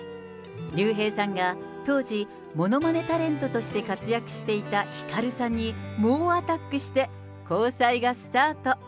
竜兵さんが当時ものまねタレントとして活躍していたひかるさんに猛アタックして、交際がスタート。